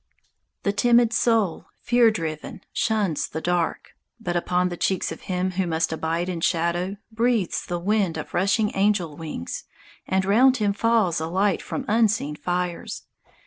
_ The timid soul, fear driven, shuns the dark; But upon the cheeks of him who must abide in shadow Breathes the wind of rushing angel wings, And round him falls a light from unseen fires.